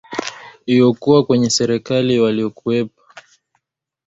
iokuwa kwenye serikali waliokuwepo